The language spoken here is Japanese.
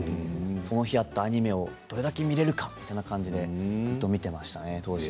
その日あったアニメを、どれだけ見られるかという感じでずっと見ていましたね、当時。